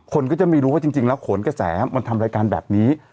คนก็จะไม่รู้ว่าจริงแล้วขนกระแสมันทำรายการแบบนี้